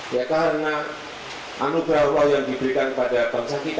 ya karena anugerah allah yang diberikan kepada bangsa kita